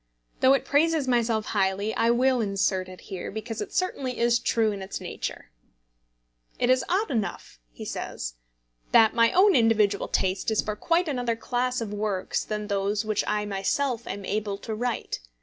Though it praises myself highly, I will insert it here, because it certainly is true in its nature: "It is odd enough," he says, "that my own individual taste is for quite another class of works than those which I myself am able to write.